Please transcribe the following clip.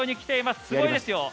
すごいですよ。